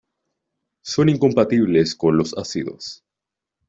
Son incompatibles con los ácidos.